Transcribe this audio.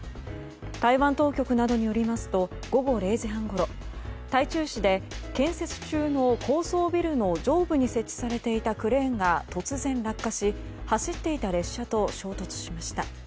台湾当局などによりますと午後０時半ごろ台中市で建設中の高層ビルの上部に設置されていたクレーンが突然落下し走っていた列車と衝突しました。